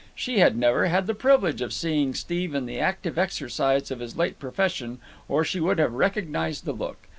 She had never had the privilege of seeing Steve in the active exercise of his late profession, or she would have recognized the look.